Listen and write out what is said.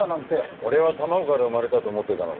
俺は卵から生まれたと思ってたのか？